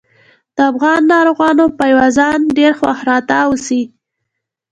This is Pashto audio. د افغان ناروغانو پايوازان ډېر وارخطا اوسي.